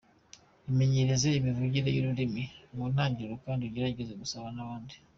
Imenyereze imivugire y’ururimi mu ntangiriro kandi ugerageze gusabana n’abandi.